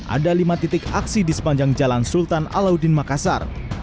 ada lima titik aksi di sepanjang jalan sultan alauddin makassar